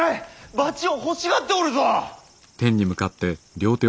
バチを欲しがっておるぞ！